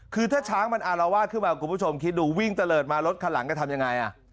คือถ้าช้างมันอารวาสขึ้นมาคุณผู้ชมคิดดูวิ่งตะเลิศมารถคันหลังจะทำยังไง